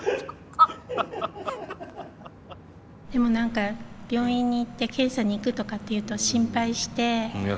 でも何か病院に行って検査に行くとかって言うと心配して。